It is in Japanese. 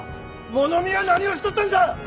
物見は何をしとったんじゃ！